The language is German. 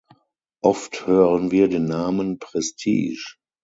Oft hören wir den Namen "Prestige".